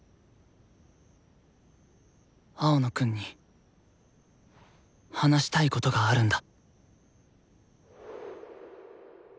青野くんに話したいことがあるんだ。